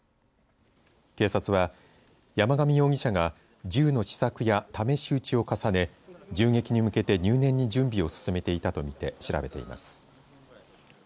警察は、山上容疑者が銃の試作や試し撃ちを重ね銃撃に向けて入念に準備を進めていたと見て調べています。